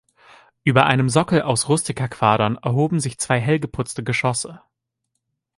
Über einem Sockel aus Rustika-Quadern erhoben sich zwei hell geputzte Geschosse.